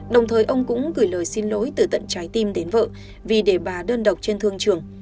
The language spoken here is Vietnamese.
đồng thời ông cũng gửi lời xin lỗi từ tận trái tim đến vợ vì để bà đơn độc trên thương trường